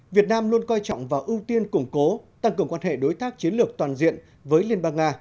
việt nam luôn coi trọng và ưu tiên củng cố tăng cường quan hệ đối tác chiến lược toàn diện với liên bang nga